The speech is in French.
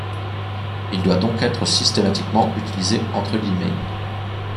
Il doit donc être systématiquement utilisé entre guillemets.